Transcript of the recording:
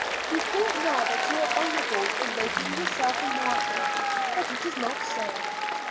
You think now that you are honorable in making yourself a martyr, but it is not so.